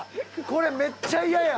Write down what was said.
これめっちゃ嫌や！